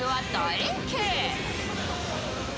円形。